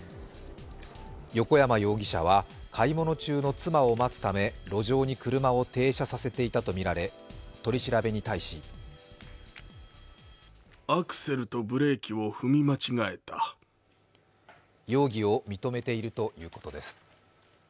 横山容疑者は買い物中の妻を待つため路上に車を停車させていたとみられ取り調べに対し容疑を認めているということです。